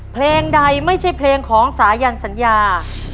เพลงใดไม่ใช่เพลงของสายันสัญญา